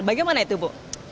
bagaimana itu bu